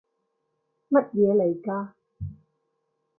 乜嘢嚟㗎？